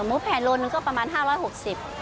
หมูแผ่นโลนก็ประมาณ๕๖๐บาท